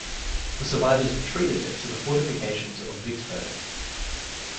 The survivors retreated to the fortifications of Vicksburg.